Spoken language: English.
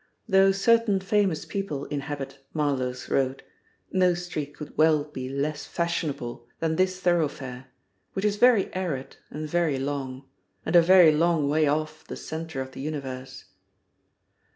Though certain famous people inhabit Marloes Road, no street could well be less fashionable than this thoroughfare, which is very arid and very long, and a very long way off the centre of the universe.